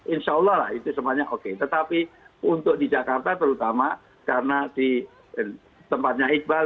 insyaallah itu semuanya oke tetapi untuk di jakarta terutama karena di tempatnya iqbal